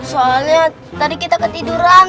soalnya tadi kita ketiduran